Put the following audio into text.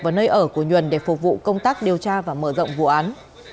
và nơi ở của nhuần để phục vụ công tác điều tra và mở rộng vụ án